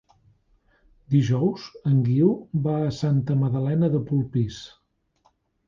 Dijous en Guiu va a Santa Magdalena de Polpís.